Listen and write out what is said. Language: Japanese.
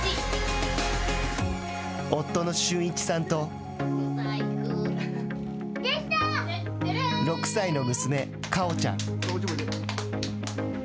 夫の峻一さんと６歳の娘、果緒ちゃん。